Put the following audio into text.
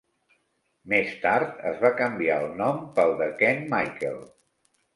Més tard, es va canviar el nom pel de Kenn Michael.